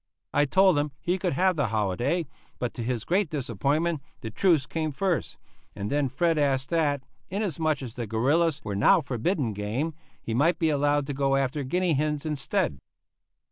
I told him he could have the holiday, but to his great disappointment the truce came first, and then Fred asked that, inasmuch as the "gorrillas" were now forbidden game, he might be allowed to go after guinea hens instead.